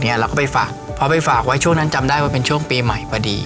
เราก็ไปฝากเพราะไปฝากไว้ช่วงนั้นจำได้ว่าเป็นช่วงปีใหม่พอดี